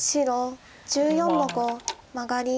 白１４の五マガリ。